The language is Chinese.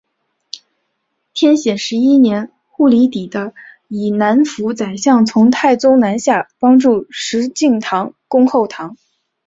天显十一年鹘离底以南府宰相从太宗南下帮助石敬瑭攻后唐。